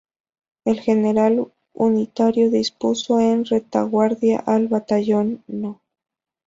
El general unitario dispuso en retaguardia al batallón No.